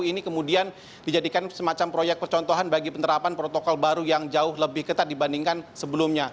ini kemudian dijadikan semacam proyek percontohan bagi penerapan protokol baru yang jauh lebih ketat dibandingkan sebelumnya